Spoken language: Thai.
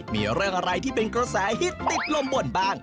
มีเรื่องอะไรที่เป็นกระแสฮิตติดลมบ่นบ้าง